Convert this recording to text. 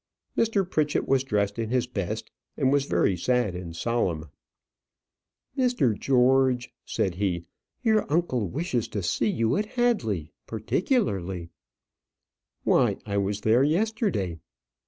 Mr. Pritchett was dressed in his best, and was very sad and solemn. "Mr. George," said he, "your uncle wishes to see you at Hadley, particular." "Why, I was there yesterday."